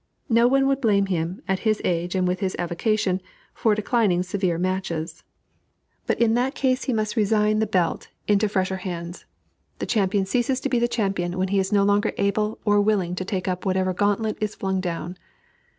No one would blame him, at his age and with his avocation, for declining severe matches; but in that case he must resign the belt into fresher hands. The champion ceases to be the champion when he is no longer able or willing to take up whatever gauntlet is flung down.